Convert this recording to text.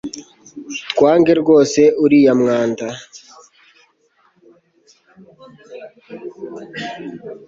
Twange rwose uriya mwanda